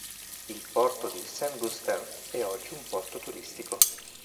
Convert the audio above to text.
Il porto di Saint-Goustan è oggi un porto turistico.